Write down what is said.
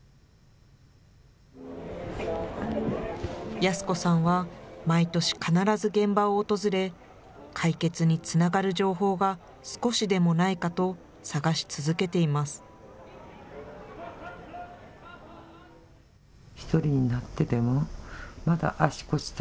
安子さんは毎年必ず現場を訪れ、解決につながる情報が少しでもないかと探し続けています。